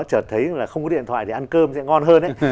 chật thấy là không có điện thoại thì ăn cơm sẽ ngon hơn